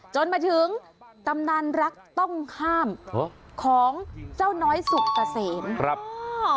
จนมาถึงตำนานรักต้องห้ามของเจ้าน้อยสุกเกษมครับ